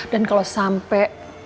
dan kalau sampai